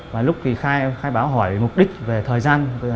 và lúc kỳ khai báo hỏi mục đích về thời gian